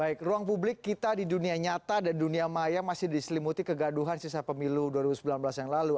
baik ruang publik kita di dunia nyata dan dunia maya masih diselimuti kegaduhan sisa pemilu dua ribu sembilan belas yang lalu